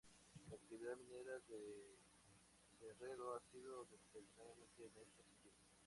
La actividad minera de Cerredo ha sido determinante en este sentido.